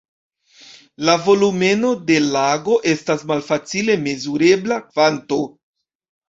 La volumeno de lago estas malfacile mezurebla kvanto.